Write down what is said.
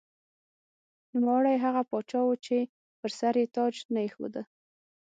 نوموړی هغه پاچا و چې پر سر یې تاج نه ایښوده.